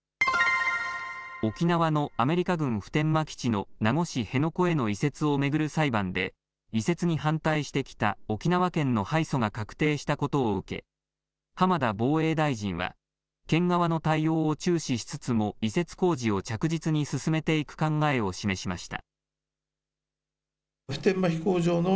沖縄のアメリカ軍普天間基地の名護市辺野古への移設を巡る裁判で、移設に反対してきた沖縄県の敗訴が確定したことを受け、浜田防衛大臣は、県側の対応を注視しつつも、移設工事を着実に進めていく考えを示しました。